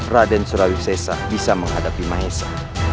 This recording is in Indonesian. raden surawisesa bisa menghadapi maesa